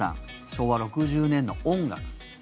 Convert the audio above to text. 昭和６０年の音楽。